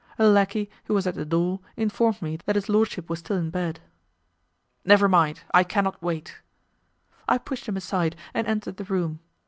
A lackey who was at the door informed me that his lordship was still in bed. "Never mind, I cannot wait." I pushed him aside and entered the room.